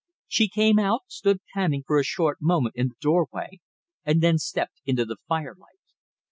She came out, stood panting for a short moment in the doorway, and then stepped into the firelight.